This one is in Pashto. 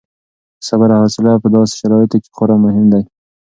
صبر او حوصله په داسې شرایطو کې خورا مهم دي.